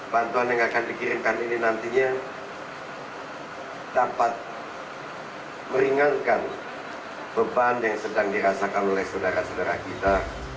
bantuan yang akan dikirimkan ini nantinya dapat meringankan beban yang sedang dirasakan oleh saudara saudara kita